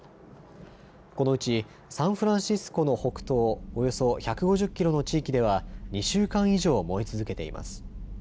このうちサンフランシスコの北東およそ１５０キロの地域では２週間以上、燃え続けています。